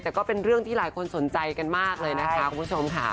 แต่ก็เป็นเรื่องที่หลายคนสนใจกันมากเลยนะคะคุณผู้ชมค่ะ